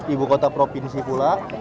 ibu kota provinsi pula